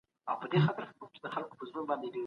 خپل ځان له هر ډول اضطراب او بې ځایه خفګان وساتئ.